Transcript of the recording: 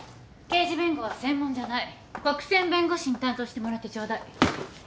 刑事弁護は専門じゃない。国選弁護士に担当してもらってちょうだい。